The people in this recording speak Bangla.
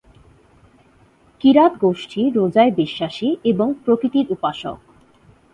কিরাত গোষ্ঠী রোজায় বিশ্বাসী এবং প্রকৃতির উপাসক।